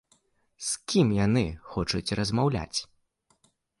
З кім яны хочуць размаўляць?